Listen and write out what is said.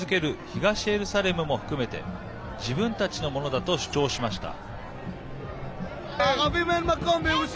東エルサレムも含めて自分たちのものだと主張しました。